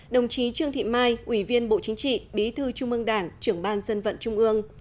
đồng chí trương thị mai ủy viên bộ chính trị bí thư trung ương đảng trưởng ban dân vận trung ương